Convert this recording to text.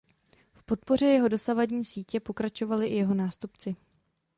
V podpoře jeho dopravní sítě pokračovali i jeho nástupci.